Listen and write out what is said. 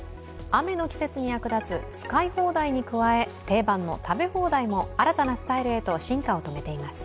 雨の季節に役立つ使い放題に加え、定番の食べ放題も新たなスタイルへと進化を遂げています。